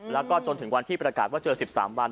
แล้วก็จนถึงวันที่ประกาศว่าเจอ๑๓วัน